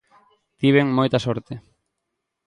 Tiven moita sorte.